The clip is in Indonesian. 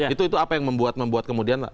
itu itu apa yang membuat membuat kemudian